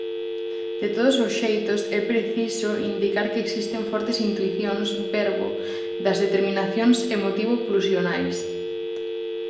De todos os xeitos, é preciso indicar que existen fortes intuicións verbo das determinacións emotivo-pulsionais.